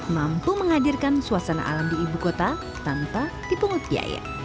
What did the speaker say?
mampu menghadirkan suasana alam di ibu kota tanpa dipungut biaya